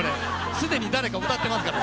すでに誰か歌ってますから。